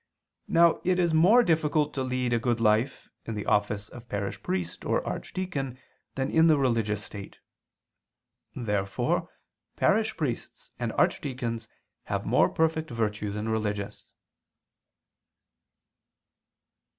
Now it is more difficult to lead a good life in the office of parish priest or archdeacon than in the religious state. Therefore parish priests and archdeacons have more perfect virtue than religious.